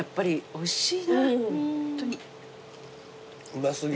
おいしい。